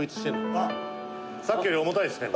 「あっさっきより重たいですね」